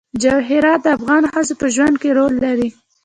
جواهرات د افغان ښځو په ژوند کې رول لري.